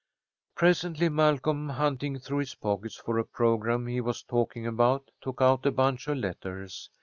Presently Malcolm, hunting through his pockets for a programme he was talking about, took out a bunch of letters.